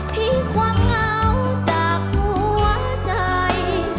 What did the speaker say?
ทิ้งความเหงาจากหัวใจ